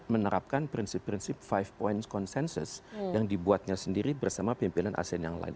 menerapkan prinsip prinsip lima point consensus yang dibuatnya sendiri bersama pimpinan asean yang lain